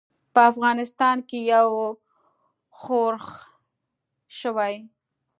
په افغانستان کې یو ښورښ شوی.